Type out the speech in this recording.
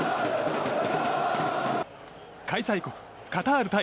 開催国カタール対